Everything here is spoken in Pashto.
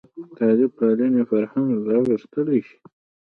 طالب پالنې فرهنګ لا غښتلی شي.